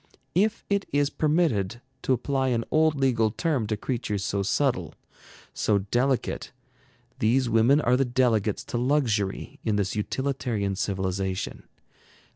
If it is permitted to apply an old legal term to creatures so subtle, so delicate, these women are the delegates to luxury in this utilitarian civilization.